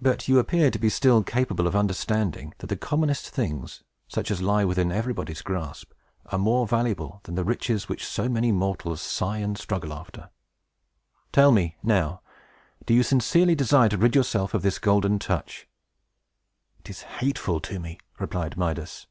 But you appear to be still capable of understanding that the commonest things, such as lie within everybody's grasp, are more valuable than the riches which so many mortals sigh and struggle after. Tell me, now, do you sincerely desire to rid yourself of this Golden Touch?" "It is hateful to me!" replied Midas.